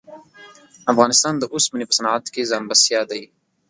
افغانستان د اوسپنې په صنعت کښې ځان بسیا دی.